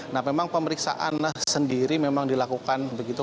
nah memang pemeriksaan sendiri memang dilakukan begitu